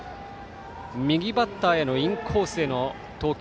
右バッターへのインコースの投球。